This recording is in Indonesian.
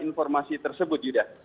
informasi tersebut yuda